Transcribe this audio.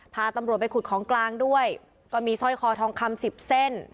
พาตำรวจไปขุดของกลางด้วยก็มีสร้อยคอทองคำสิบเส้น